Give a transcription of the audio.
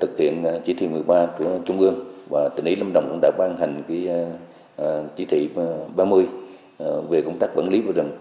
thực hiện chỉ thị một mươi ba của trung ương và tỉnh ý lâm đồng cũng đã ban hành chỉ thị ba mươi về công tác quản lý của rừng